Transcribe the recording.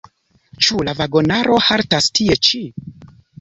Ĉu la vagonaro haltas tie ĉi?